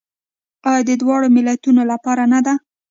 آیا د دواړو ملتونو لپاره نه ده؟